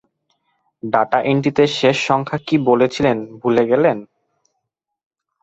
Data এন্ট্রিতে শেষ সংখ্যা কি বলেছিলেন ভুলে গেলেন।